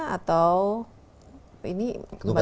atau ini bagaimana